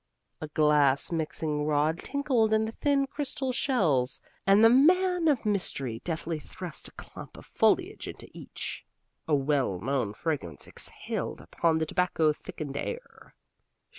A glass mixing rod tinkled in the thin crystal shells, and the man of mystery deftly thrust a clump of foliage into each. A well known fragrance exhaled upon the tobacco thickened air.